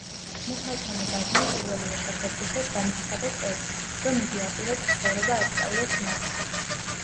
მექალთანე ბარნიმ პირველივე შეხვედრისას განუცხადა ტედს, რომ იგი აპირებს „ცხოვრება ასწავლოს“ მას.